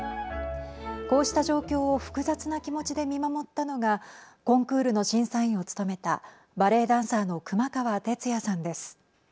こうした状況を複雑な気持ちで見守ったのがコンクールの審査員を務めたバレエダンサーの熊川哲也さんです。